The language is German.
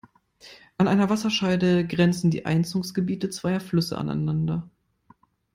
An einer Wasserscheide grenzen die Einzugsgebiete zweier Flüsse aneinander.